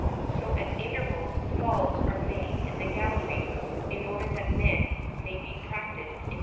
So at intervals "falls" are made in the gallery, in order that men may be practised in dealing with them.